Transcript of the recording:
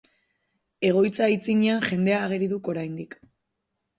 Egoitza aitzinean jendea ageri duk orainik.